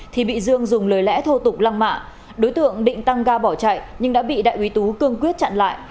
thì bị dương dùng lời lẽ thô tục lăng mạ đối tượng định tăng ga bỏ chạy nhưng đã bị đại úy tú cương quyết chặn lại